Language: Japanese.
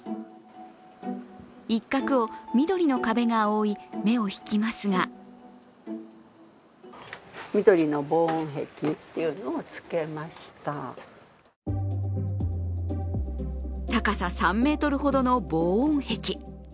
一角を緑の壁が覆い、目を引きますが高さ３ｍほどの防音壁。